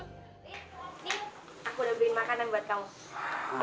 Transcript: nih aku udah beliin makanan buat kamu